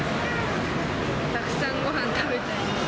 たくさんごはん食べたいです。